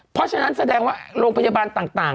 เพราะฉะนั้นแสดงว่าโรงพยาบาลต่าง